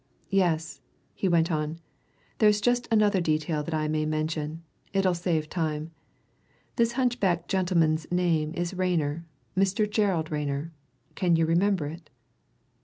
"Yes," he went on, "there's just another detail that I may mention it'll save time. This hunchback gentleman's name is Rayner Mr. Gerald Rayner. Can you remember it?"